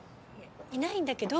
いないんだけど。